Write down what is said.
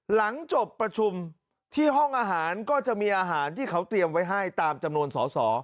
หลังจบประชุมที่ห้องอาหารก็จะมีอาหารที่เขาเตรียมไว้ให้ตามจำนวนสอสอ